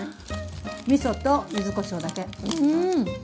みそと、ゆずこしょうだけ。